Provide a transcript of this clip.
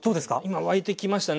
今沸いてきましたね